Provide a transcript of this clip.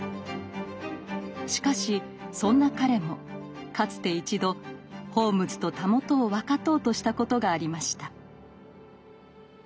しかしそんな彼もかつて一度ホームズと袂を分かとうとしたことがありました。